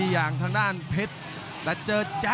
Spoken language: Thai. กรรมการเตือนทั้งคู่ครับ๖๖กิโลกรัม